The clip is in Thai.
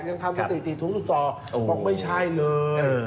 ยังทำตีถุงสุดต่อบอกว่าไม่ใช่เลย